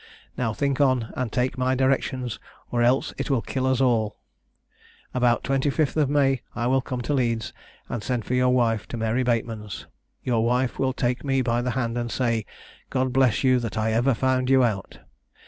Now think on and take my directions or else it will kill us all. About the 25th of May I will come to Leeds and send for your wife to Mary Bateman's; your wife will take me by the hand and say, 'God bless you that I ever found you out.'